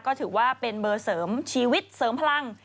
ก็ถือว่าเป็นเบอร์เสริมชีวิตเสริมพลัง